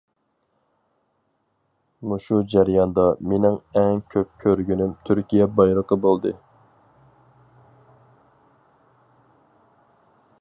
مۇشۇ جەرياندا مېنىڭ ئەڭ كۆپ كۆرگىنىم تۈركىيە بايرىقى بولدى.